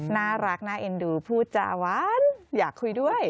น่ารักน่าเอ็นดูพูดจาหวานอยากคุยด้วย